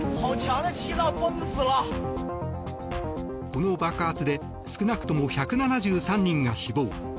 この爆発で少なくとも１７３人が死亡。